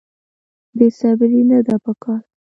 بې صبري نه ده په کار.